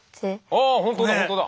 ああ本当だ本当だ。